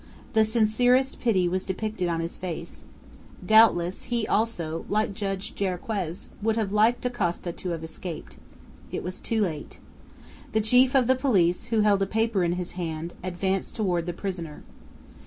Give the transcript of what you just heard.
The sincerest pity was depicted on his face. Doubtless he also, like Judge Jarriquez, would have liked Dacosta to have escaped. It was too late! The chief of the police, who held a paper in his hand, advanced toward the prisoner.